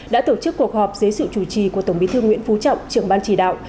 đã tổ chức cuộc họp dưới sự chủ trì của tổng bí thư nguyễn phú trọng trưởng ban chỉ đạo